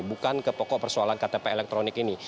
bukan ke pokok persoalan ktp elektronik ini